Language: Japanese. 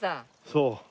そう？